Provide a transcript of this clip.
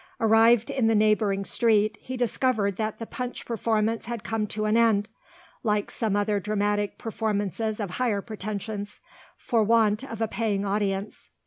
Arrived in the neighbouring street, he discovered that the Punch performance had come to an end like some other dramatic performances of higher pretensions for want of a paying audience.